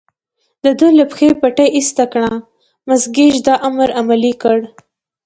د ده له پښې پټۍ ایسته کړه، مس ګېج دا امر عملي کړ.